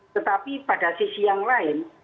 tetapi pada sisi yang lain